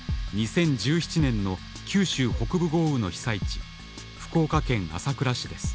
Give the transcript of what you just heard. ２０１７年の九州北部豪雨の被災地福岡県朝倉市です。